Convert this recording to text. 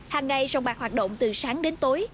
hàng ngày sông bạc hoạt động từ sáng đến tối